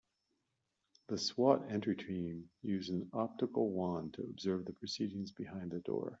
The S.W.A.T. entry team used an optical wand to observe the proceedings behind the door.